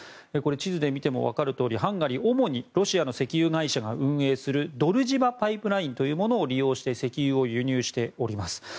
地図で見てもわかるとおりハンガリーは主にロシアの石油会社が運営するドルジバ・パイプラインというものを利用して石油を輸入しています。